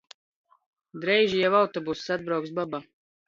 Dreiži jau autobuss, atbrauks baba.